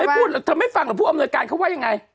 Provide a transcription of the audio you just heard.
พูดเธอไม่ฟังหรอกผู้อำนวยการเขาว่ายังไง